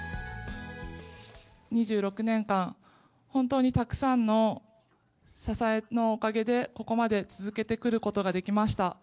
２６年間、本当にたくさんの支えのおかげでここまで続けてくることができました。